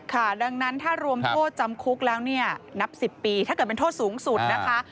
ค่ะดังนั้นถ้ารวมโทษจำคุกแล้วเนี่ยนับ๑๐ปีถ้าเกิดเป็นโทษสูงสุดนะคะ